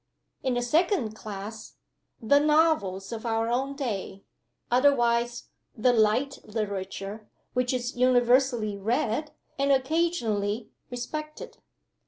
In the second class, the Novels of our own day otherwise the Light Literature, which is universally read, and occasionally respected.